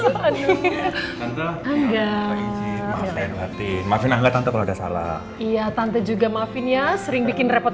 tante maafkan hati maafin taknya tante kalau udah salah iya tante juga maafin ya sering bikin repot